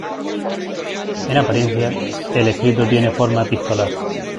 En apariencia, el escrito tiene forma epistolar.